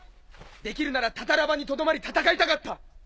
できるならタタラ場にとどまり戦いたかった。